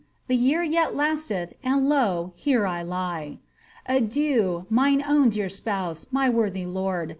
The year yet lasteth, and U), here I lie I Adieu, mine own dear spouse, my worthy lord.